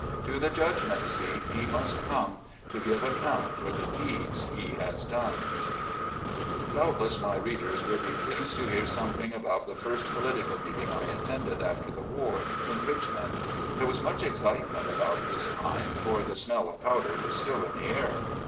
To the judgment seat he must come To give account for the deeds he has done." IN A VIRGINIA PULPIT. 83 Doubtless my readers will be pleased to hear something about the first political meeting I attended after the war, in Richmond. There was much excitement about this time, for the smell of powder was still in the air.